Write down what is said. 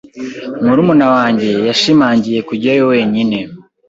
Murumuna wanjye yashimangiye kujyayo wenyine.